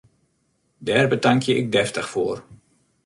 Dêr betankje ik deftich foar!